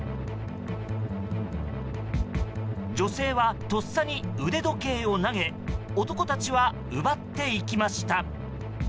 女性は、とっさに腕時計を投げ男たちは奪っていきました。